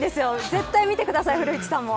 絶対見てください、古市さんも。